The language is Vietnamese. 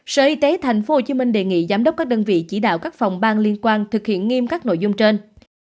sở y tế tp hcm đề nghị giám đốc các đơn vị chỉ đạo các phòng ban liên quan thực hiện nghiêm các nội dung trên